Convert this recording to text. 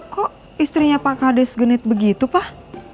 kok istrinya pak kades genit begitu pak